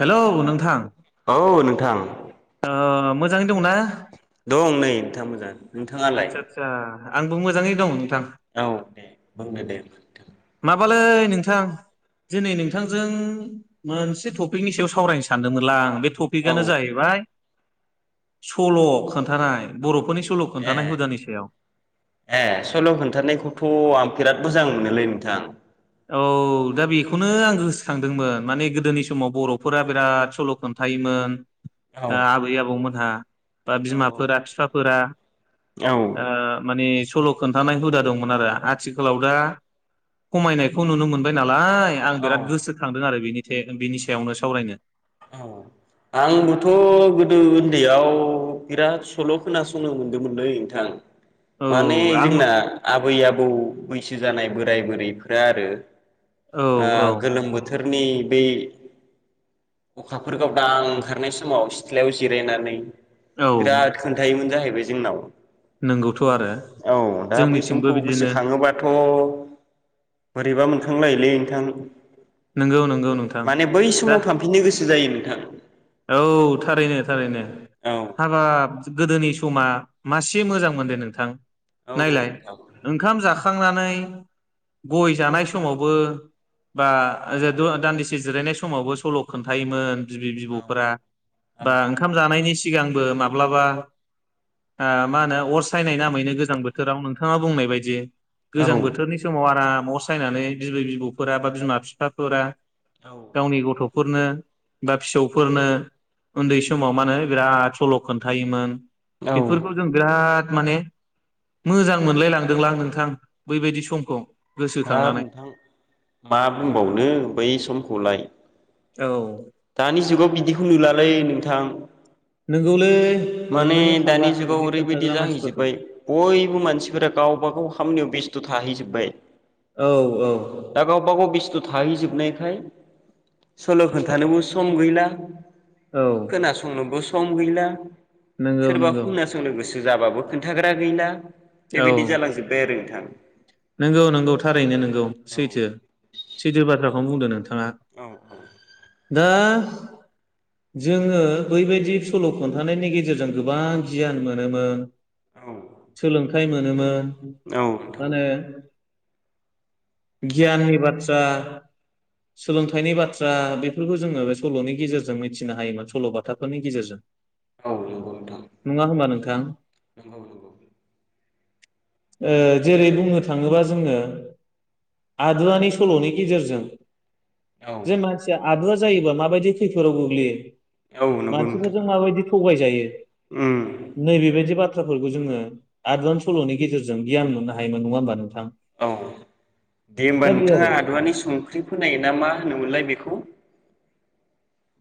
Hello नोंथां। थां ओ मोजाङै दंना? दं नै नोंथां मोजाङानो। आतसा आतसा। आंबो मोजाङै दं। औ दे बुंदो दे नोंथां। माबालै नोंथां दिनै नोंथांजों मोनसे टपिकनि सायाव सावरायनो सानदोंमोनलांं बे औ टपिकआनो जाहैबाय सल' खोन्थानाय बर'फोरनि स ए ए सल' खोन्थानायखौथ' आं बिराद मोजां मोनोलै नोंथां। औ दा बेखौनो आं गोसोखांदोंमोन माने गोदोनि समाव बर'फोरा बिराद सल' खोन्थायोमोन। औ आबै आबौमोनहा बा औ बिमाफोरा बिफाफोरा औ ओ माने सल' खोन्थानाय हुदा दंमोन आरो आथिखालाव दा खमायनाय नुनो मोनबाय नाल आं औ बिराद गोसोखांदों आरो बेनि थे बिनि सायावनो सावरायनो। औ आंबोथ' गोदो उन्दैयाव बिराद सल' खोनासंनो मोनदोंमोनलै नोंथां। औ माने आं जोंना आबै आबौ बैसो जानाय बोराय बुरैफ्रा आरो। औ ओ औ गोलोम बोथोर। आंनि बे अखाफोर गावदां ओंखारनाय समाव सिथ्लायाव जिरायनानै औ बिराद खोन्थायोमोन जाहैब बे जोंनाव। नंगौथ' आरो औ दा बै जोंनिथिंबो समखौ बिदिनो गोसोखाङोबाथ' बोरैबा मोनखांलायोलै नोंथां। नंगौ नंगौ नोंथां माने बै दा समाव थांफिननो गोसो जायो नोंथां। औ थारैनो थारैनो। औ हाबाब गोदोनि समा मासे मोजां मोनदो नोंथां। औ नायलाय नोंथां औ ओंखाम जाखांनानै गय जानाय समावबो बा [unintelligible] दान्दिसे जिरायनाय समावबो सल' खोन्थायोमोन बिबै बि फोरा बा ओंखाम जानायनि सि सिगांबो माब्लाबा ओ मा होनो अर सायनाय नामैनो गोजां बोथोराव नोंथाङा बुंनाय बायदि। गोजां औ बोथोरनि समाव आराम। न' सायनानै बिबै बिबौफोरा बा बिमा बिफाफोरा औ गावनि गथ' फोरनो बा फिसौ फोरनो उन्दै समाव मा होनो बिराद सल' खोन्थायोमोन। औ बेफोरखौ जों बिराद माने मोजां मोनलाय लांदोंलां नोंथां बैबायदि समखौ। हा गोसोखांनानै नोंथां मा बुंबावनो। बै समखौलाय। औ। दानि जुगाव बिदिखौ नुलालै नोंथां। नोंगौलै। माने मोननोनो थांला दानि जुगाव बिदि ओरैबायदि खोन्थाग्रा मानसिफोरखौ जाहैजोबाय बयबो मानसिफोरा गावबा गाव खामानियाव बेस थ थाहैजोबाय। औ औ। बेस्थ' थाहैजोबनायखाय सल' खोन्थानोबो सम गैला। औ खोनासंनोबो सम गैला। नंगौ सोरबा नंगौ खोनासंनो गोसो जाबाबो खोनथाग्रा गैला। बे बायदि जालांजोबाय आरो नोंथां। नोंगौ नोंगौ थारैनो नोंगौ सैथो सैथो बाथ्राखौ नो बुंदों नोंथां। ङा दा जोङो बैबायदि सल' खोनथानायनि गेजेरजों गोबां गियान मोनोमोन। आरो सोलोंथाइ मोन मोनोमोन। नोंथां माने गियाननि बाथ्रा सोलोंथाइनि बाथ्रा बेफोरखौ जोङो बे सल'नि गेजेरजों मिथिनो हायोमोन सल' बाथाफोरनि गेजेरजों। औ नंगौ नोंथां। थां। नोंगौ नोंगौ। ओ जेरै बुंनो थाङोबा जोङो आदुवानि सल' नि गेजेरजों औ जों मानसि आदुवा जायोबा माबायदि खैफोदाव गोग्लैयो। औ नंगौ नोंथां मानसिफोरजों माबायदि थगायजायो उम नैबेबायदि बाथ्रा बाथ्राफोरखौ जोङो आदुवानि सल'नि गेजेरजों गियान मोननो होमोन नङा होमबा नोंथां औ। दे होमबा दा बे नोंथाङा आरो आदुवानि संख्रि फोनाय ना मा होनोमोनलाय बेखौ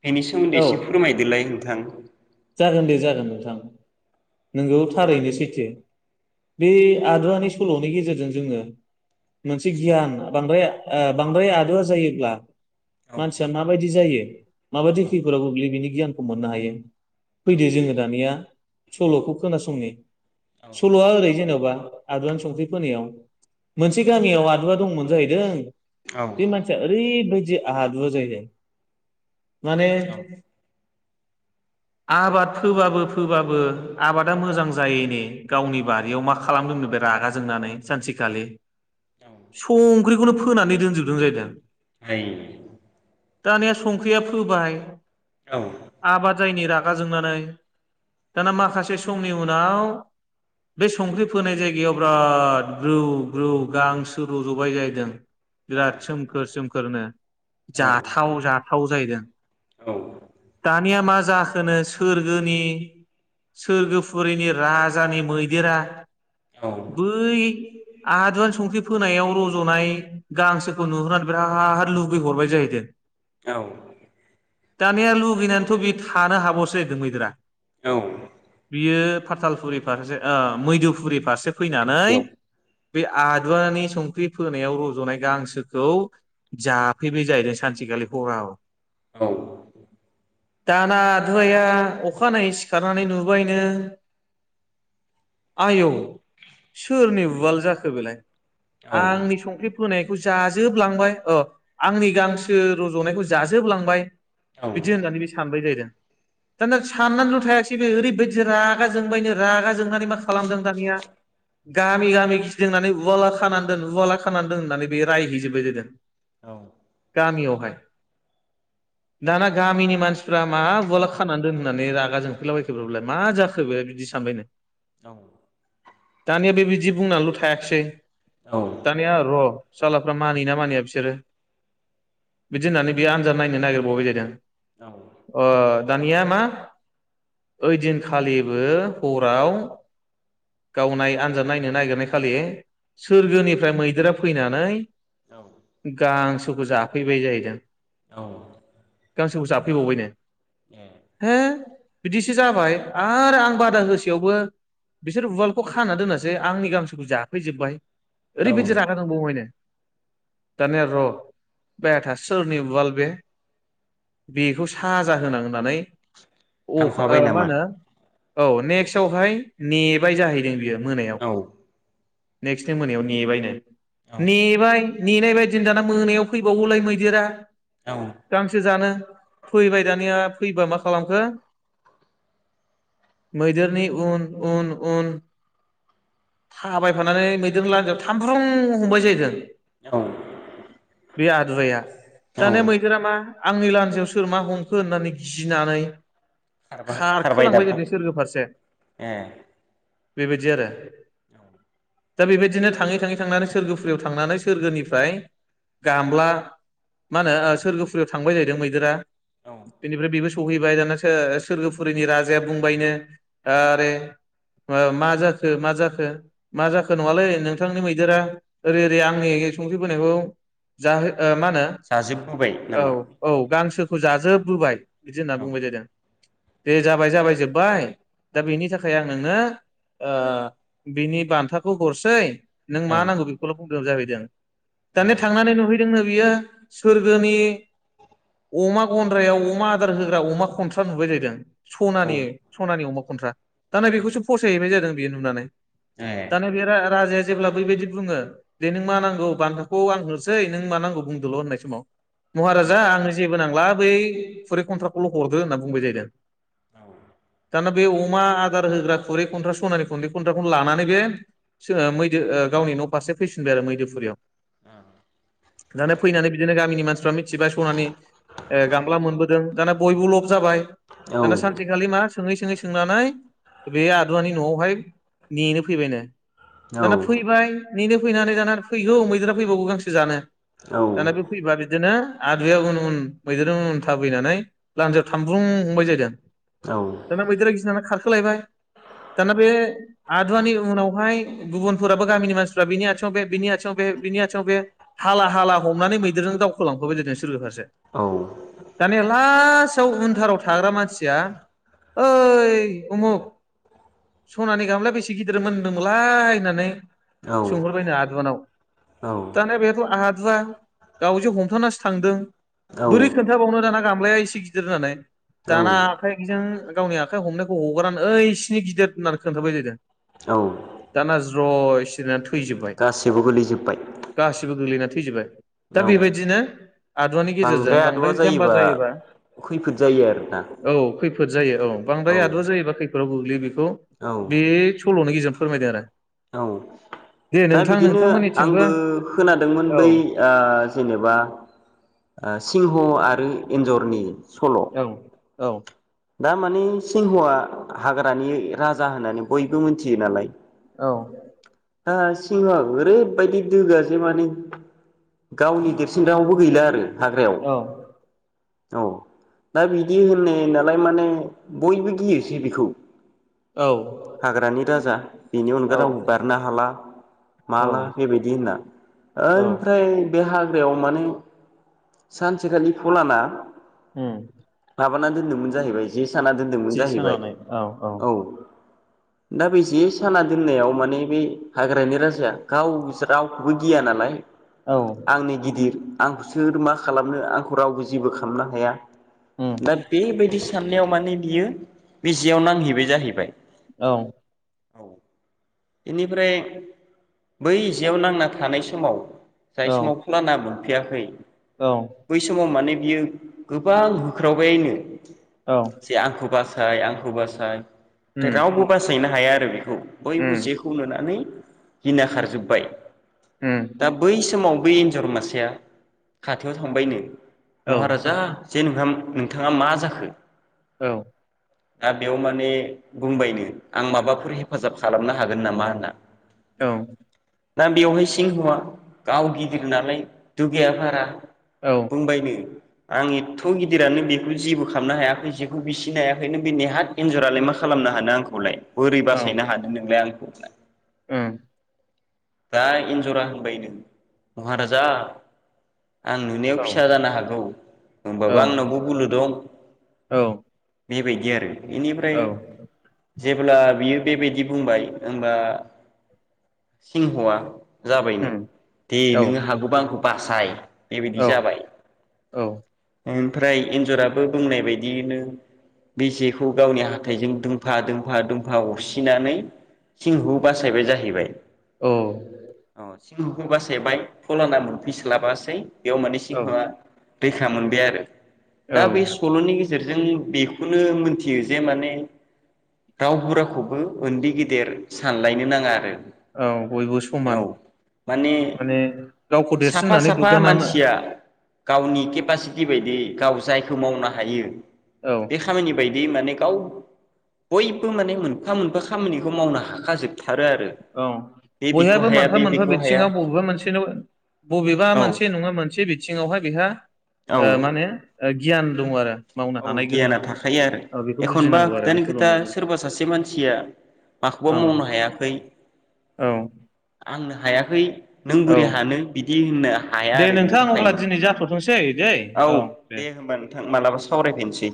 बेनि सोमोन्दै औ एसे फोरमायदोलाय नोंथां। जागोन दे जागोन नोंथां। नोंगौ थारैनो सैथो। बे आदुवानि सलनि गेजेरजों जोङो मोनसे गियान बांद्राय ओ बांद्राय आदुवा जायोब्ला औ मानसिया माबायदि जायो? [unintelligible] माबायदि औ खैफोराव गोग्लैयो बिनि गियान खौ मोननो हायो। औ फैदो जोङो दानिया सलखौ खोनासंनि। सलआ ओरै जेनबा आदुवानि संख्रि फोनायाव मोनसे गामियाव आदुवा दंमोन जाहैदों औ बे मानसिया ओरैबाय दि आदुवा जाहैदों माने औ आबाद फोबाबो फोबाबो आबादा मोजां जायैनि गावनि बारियाव मा खालामदोंनो बे रागा जोंनानै सानसेखालि औ संख्रिखौनो फोनानै दोनजोबदों जायदों। ओइ। दानिया संख्रिया फोबाय औ आबाद जायिनि रागा जोंनानै दाना माखासे समनि उनाव बे संख्रि फोनाय जायगायाव बिराद ग्रौ ग्रौ गांसो रजबाय जाहैदों। औ बिराद सोमखोर सोमखोरनो औ जाथाव जाथाव जाहैदों। दानिया मा जाखोनो सोरोनि सोरगोफुरिनि राजानि मैदेरा औ औ बै आदुवानि संख्रि फोनायाव रजनाय गांसोखौ नुहुरनानै बिराद लुुबैहरबाय जाहैदों। औ। दानिया लुगैनानैथ बे थानो हाबावासै जाहैदों मैदेरा। औ। बियो फाथालफुरि फारसे ओ मैुदोफुरि फारसे फैनानै बे आदुवानि संख्रि फोनायाव रजनाय गांसोखौ जाफैबाय जाहैदों सानसेखालि हराव। औ। दाना आदुवाया अखानायै सिखारनानै नुबायनो आयौ सोरनि उवाल जाखो बेलाय? आंनि संख्रि फोनाय जाजोबलांबाय अ आंनि गांसो रजनायखौ जाजोबलांबाय [unintelligible] दानिया साननानैल' थायासै बे ओरैबायदि रागा जोंबायनो रागा जोंनानै मा खालामदों दानिया गामि गामि गिदिंनानै उवाला खानानै दोन उवाला खानानै दोन होननानै बे रायहै जोब्बाय जाहैदों। औ गामियावहाय दाना गामिनि मानसि मानसिफ्रा मा उवाला खानानै दोन होननानै रागा जोंफैलाबायखो बेलाय मा जाखो बे बिदि सानबायनो औ दानिया बेबायदि बुंनानैल' थायाखिसै दानिया र' सालाफ्रा मानियो ना मानिया बिसोरो बिदि होननानै बेयो आनजाद नायनो नागिरबावबाय जाहैदों। औ अ दानिया मा ओइदिनखालिबो हराव गाव आनजाद नायनो नागिरनाय खालि सोरगोनिफ्राय मैदेरा फैनानै गां बुस्थुखौ जाफैबाय जाहैदों। औ [unintelligible] फैबावबाय नो हो बिदिसो जाबाय आरो आं बादा होसेयावबो बिसोर उवालखौ खाना दोनासै आंनि गांसोखौ जाफैजोबबाय। औ ओरैबायदि रागा जोंबावबायनो दानिया र' बेथा सोरनि उवाल बे बेखौ साजा होनां होननानै अ थांफाबाय ख मा नामा होनो औ नेक्स्टआवहाय नेबाय जाहैदों बियो। मोनायाव। औ नेक्स्टनि मोनायाव नेबायनो। औ नेबाय नेनाय बायदि दाना मोनायाव फैबावगौलाय मैदेरा औ गांसो जानो फैबाय दानिया फैबा मा खालामखो मैदेरनि उन उन उन थाबायफानानै मैदेर लानजायाव थामब्रुम हमबाय जाहैदों। औ बे आदुवाया दानिया मैदेरा मा आंनि लानजायाव सोर मा हमखो होननानै गिनानै खारबा खारबाय खारखोलांबाय दाबबाय नो सोरगो फारसे ए बेबायदि आरो। औ दा बेबायदिनो थाङै थाङै थांनानै सोरगोफुरियाव थांनानै सोरगोनिफ्राय गामब्ला मा होनो सोरगोफुरियाव थांबाय जाहैदों मैदेरा औ बेनिफ्राय बेबो सहैबाय दाना सो-सोर्गोफुरिनि राजाया बुंबायनोे आरे ओ मा जाखो मा जाखो? मा जाखो नङालै नोंथांनि मैदेरा ओरै ओरै आंनि संख्रि बोनायखौ जाहो ओ मा होनो जाजोबबोबाय औ नामा औ गांसो ओ जाजोब बोबाय। बिदि होनना औ बुंबाय जायोदों। दे जाबाय जाबाय जोब्बाय दा बेनि थाखाय आं नोंनो ओ बिनि बान्थाखौ हरसै नों औ मा नांगौ बेखौल' बुं [unintelligible] औ दानो थांनानै नुहैदोंनो बियो सोर्गोनि अमा गन्द्रायाव अमा आदार होग्रा अमा खन्थ्रा नुबाय जाहैदों। औ स'नानि स'नानि अमा खन्थ्रा। दा ना बेखौसो फसायहैबाय जाहैदों बियो नुनानै। ए दाना बे रा राजाया जेब्ला बेैबायदि बुङो दे नों मा नांगौ बान्थाखौ आं होनोसै नों मा नांगौ बुंदोल' होननाय समाव औ महाराजा आंनो जेबो नांला बै खुरै खन्थ्राखौल' हरदो होनना बुंबाय जाहैदों। दाना बे अमा दार होग्रा खुरै खन्थ्रा स'नानि [unintelligible] [unintelligible] लानानै बे सो ओ मैदो ओ गावनि न'फारसे फैफिनबाय आरो मैदोफुरियाव। दानो फैनानै बिदिनो गामिनि मानसिफ्रा मिथिबाय स'नानि ओ गामला मोनबोदों। दाना बयबो लब जाबाय औ दाना सानसेखालि मा सोङै सोङै सोंनानै बे आदुवानि न'आवहाय नेनो फैबायनो। दाना फैबाय नेनो फैनानै दाना फैगौ मैदेरा फैबावगौ गांसो जानो। दाना बे फैबा बिदोनो आदुवाया उन उन मैदेरजों उन थाबैनानै लान्जायाव थामब्रुं हमबाय जाहैदों। दाना मैदेर गिनानै खार सोलायबाय दाना बे आदुवानि उनावहाय गुबुनफोराबो गामिनि मानसिफ्रा बिनि आथिङाव बे बिनि आथिङाव बे बिनि आथिङाव बे हाला हाला हमनानै मैदेरजों दावखोलांफाबाय जायदो [unintelligible] दानिया ला फास आव उन्थाराव थाग्रा मानसिया ओइ उमुक स'नानि गामलाया बे थि गिदिर मोनदोमोलाय होननानै सोंहरबायनो आदुवानाव दानोबेथ' आहा दुवा गावजों हमथानासो थांदों औ बोरै खोन्थाबावनो दाना गामलाया एसे गिदिर होननानै औ दाना आखाइजों गावनि आखाइ हमनायखौ हगारनानै ओइ सिनि गिदिर होननानै खोन्थाबाय जाहैदों। औ दाना ज्रय सिरिना थु थैजोबबाय गासैबो गोलैजोब्बाय गासिबो गोग्लैना थैजोबबाय दा औ बेबायदिनो आदुवानि गेजेरजों बांद्राय आदुवा जाम्बा जायोबा खैफोद जायो आरोना। फोद जायो औ। बांद्राय आदुवा जायोबा खै फोराव गोग्लैयो बेखौ औ बे सल'नि गेजेरजों फोरमायदों आरो। औ दे दा नोंथां बिदिनो नोंथांमोननिथिंबो आंबो खोनादोंमोन औ बै ओ जेनेबा ओ सिंह आरो एन्जरनि औ औ थामाने सिंहआ हाग्रानि राजा होननानै बयबो मिथियो नालाय औ दा सिंह' आबो ओरैबायदि दुगा जे माने गावनि देरसिन रावबो गैला आरो हाग्रायाव औ औ दा बिदि होननो होननाय लाय माने बयबो गियोसै बिखौ औ हाग्रानि राजा बेनि औ अनगा रावबो बारनो हाला औ माला बेबायदि होनना औ ओनफ्राय बे हाग्रायाव माने सानसेखालि फलाना हुम माबाना दोनदोंमोन जाहैबाय जेस साना दोनदोंमोन जाहैबाय सानानै औ औ दा बे जे साना दोननायाव माने बे हाग्रानि राजाया गाव रावखौबो गिया नालाय औ आंनि गिदिर आंखौ सोर मा खालामनो आंखौ रावबो जेबो खालामनो हाया उम दा बेबायदि साननायाव माने बियो बे जेयाव नांहैबाय जाहैबाय औ औ इनिफ्राय बै जेयाव नांना थानाय समाव जाय औ समाव फलाना मोन फैयाखै औ बै समाव माने बियो गोबां होख्रावबायनो औ जे आंखौ बास साय आंखौ बासाय उम रावबो बासायना हाया आरो बे खौ बयबो उम जेखौ नुनानै गिना खारजोब्बाय। उम दा बै समाव बै एन्जर मासेया खाथियाव थांबायनो। औ महाराजा जे नोंथां नोंथाङा मा जाखो? औ दा बेयाव माने बुंबायनो आं माबाफोर हेफाजाब खालामनो हागोन नामा होनना। औ दा बेवहाय सिंहआ गाव गिदिर नालाय दुगाया बारा औ बुंबायनो आं एथ' गिदिरानो बेखौ जेबो खालामनो हायाखै जेखौ बिसिनो हायाखै नों बे नेहाथ एन्जरालाय मा खालामनो हानो आंखौलाय। बोरै बासायनो हादों नोंलाय आंखौ ओम दा एन्जरा होनबायनो महाराजा आं नुनायाव औ फिसा जानो हागौ औ होमबाबो ओम आंनावबो बोलो दं। औ बेबायदि आरो। बेनिफ्राय औ जेब्ला बियो बेबायदि बुंबाय होमबा सिंहआ जाबायनो दे नोङो हागौबा आंखौ बासाय। बेबायदि औ जाबाय ओम ओमफ्राय एन्जराबो बुंनाय बाय दिनो बे जेखौ गावनि हाथायजों दोंफा दोंफा दोंफा अरसिनानै सिंहखौ बासायबाय जाहैबाय। औ अ सिंहखौ बासाबाय फलाना मोनफैस्लाबासै। बेयाव माने सिंहवा दैखा मोनबाय आरो औ दा बेै सल'नि गेजेरजों बेखौनो मोनथियो जे माने रावबो रावखौबो उन्दै गेदेर सानलायनो नाङा आरो। औ बयबो औ समान माने गावखौ देरसिन साफा होननानै साफा दुग्गाना मानसिया गावनि केपासिटि बायदि गाव जायखौ मावनो हायो औ बे खामानि बायदि माने गाव बयबो माने मोनफा मोनफा खामानिखौ मावनो हाखाजोबो। औ बयहाबो मोनफा बे मोनफा बेखौ हाया बिथिङाव बबेबा मोनसे न बबेबा औ मोनसे नङा मोनसे बिथिङावहाय बेहा ओ औ माने ओ गियान दं आरो। मावनो औ हानाय गोहो गियाना दङ थाखायो आरो औ बेखौ एखनबा बुजिनांगौ आरो बे खोथानि खोथा सल'नि गेजेरजों सोरबा सासे मानसिया माखौबा औ मावनो हाया औ [unintelligible] आंनो हायाखै। नों औ बोरै हानो बिदि होननो हाया दे आरो बिनि नोंथां अब्ला थाखायनो। दिनै जाथ'थोंसै दै औ दे होमबा नोंथां मालाबा सावरायफिनसै।